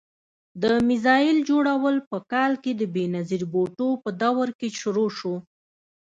د میزایل جوړول په کال کې د بېنظیر بوټو په دور کې شروع شو.